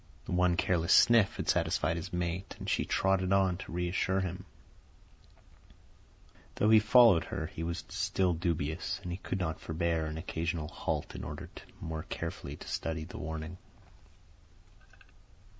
One careless sniff had satisfied his mate, and she trotted on to reassure him. Though he followed her, he was still dubious, and he could not forbear an occasional halt in order more carefully to study the warning.